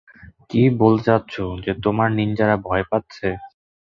কি বলতে চাচ্ছ যে তোমার নিন্জারা ভয় পাচ্ছে?